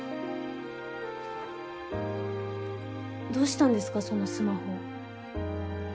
どうしたんですかそのスマホ。